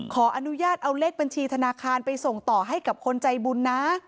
ขออนุญาตเอาเลขบัญชีธนาคารไปส่งต่อให้กับคนใจบุญนะ